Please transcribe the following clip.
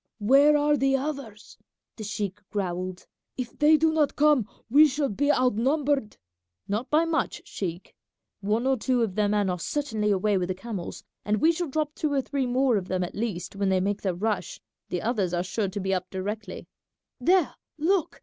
"Where are the others?" the sheik growled; "if they do not come we shall be outnumbered." "Not by much, sheik; one or two of their men are certainly away with the camels, and we shall drop two or three more of them at least when they make their rush; the others are sure to be up directly. There, look!